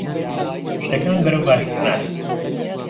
شتەکان بەرەو باشتر ناچن.